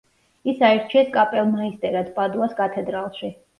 ის აირჩიეს კაპელმაისტერად პადუას კათედრალში.